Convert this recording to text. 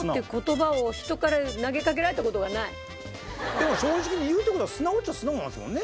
でも正直に言うって事は素直っちゃ素直なんですもんね。